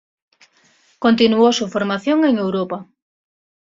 Continuó su formación en Europa.